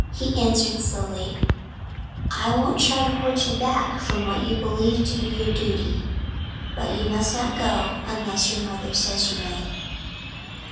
He answered slowly, "I won't try to hold you back from what you believe to be your duty. But you must not go unless your mother says you may."